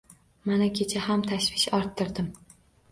Mana kecha ham tashvish orttirdim